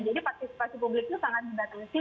jadi partisipasi publik itu sangat dibatasi